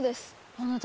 あなた